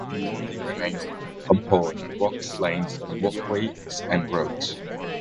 The only remains of Camp Horn are rock lines walkways and road.